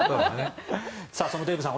そのデーブさん